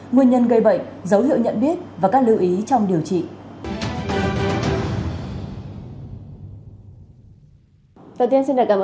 nguyên nhân gây bệnh dấu hiệu nhận biết và các lưu ý trong điều trị